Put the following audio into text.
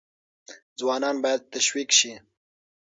ځوانان باید تشویق شي.